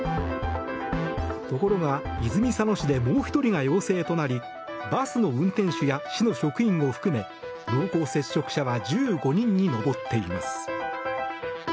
ところが泉佐野市でもう１人が陽性となりバスの運転手や市の職員を含め濃厚接触者は１５人に上っています。